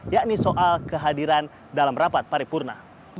yakni soal kehadiran dalam rapat paripurna